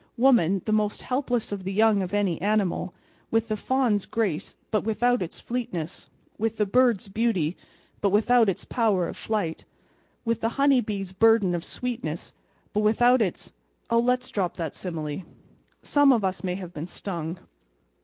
Woman, the most helpless of the young of any animal—with the fawn's grace but without its fleetness; with the bird's beauty but without its power of flight; with the honey bee's burden of sweetness but without its—Oh, let's drop that simile—some of us may have been stung.